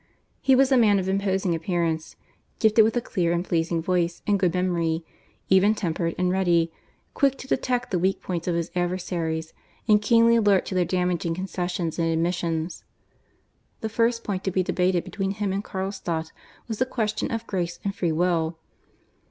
He was a man of imposing appearance, gifted with a clear and pleasing voice and good memory, even tempered and ready, quick to detect the weak points of his adversaries, and keenly alert to their damaging concessions and admissions. The first point to be debated between him and Carlstadt was the question of Grace and Free Will.